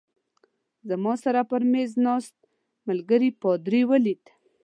زما سره پر مېز ناست ملګري پادري ولید.